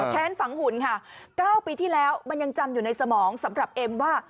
แค้นฝังหุ่นค่ะ๙ปีที่แล้วมันยังจำอยู่ในสมองสำหรับเอ็มว่า